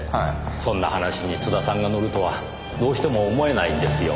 そんな話に津田さんがのるとはどうしても思えないんですよ。